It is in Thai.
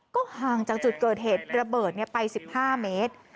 ก็ห่างจากจุดเกิดเหตุระเบิดไป๑๕เมตร